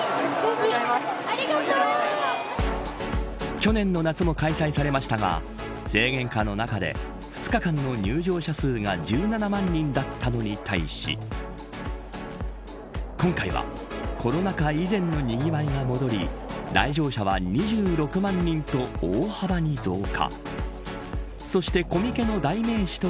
去年の夏も開催されましたが制限下の中で２日間の入場者数が１７万人だったのに対し今回はコロナ禍以前のにぎわいが戻り来場者は２６万人と大幅に増加。